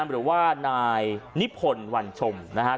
หรือว่านายนิพลวันชมนะฮะ